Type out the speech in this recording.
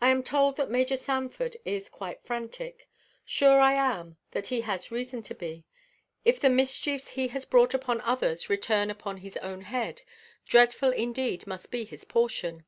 I am told that Major Sanford is quite frantic. Sure I am that he has reason to be. If the mischiefs he has brought upon others return upon his own head, dreadful indeed must be his portion.